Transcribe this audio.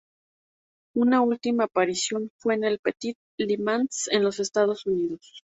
Una última aparición fue en el Petit Le Mans en los Estados Unidos.